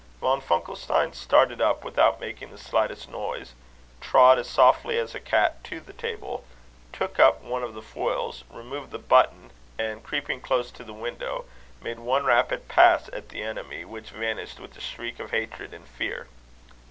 Von Funkelstein started up without making the slightest noise, trod as softly as a cat to the table, took up one of the foils, removed the button, and, creeping close to the window, made one rapid pass at the enemy, which vanished with a shriek of hatred and fear.